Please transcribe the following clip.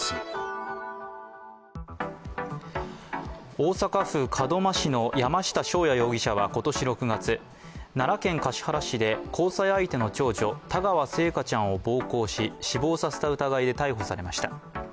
大阪府門真市の山下翔也容疑者や今年６月、奈良県橿原市で交際相手の長女、田川星華ちゃんを暴行し死亡させた疑いで逮捕されました。